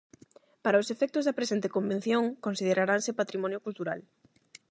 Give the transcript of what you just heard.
Para os efectos da presente Convención consideraranse "patrimonio cultural":